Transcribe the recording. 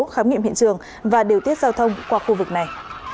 khám nghiệm hiện trường và điều tiết giao thông qua khu vực này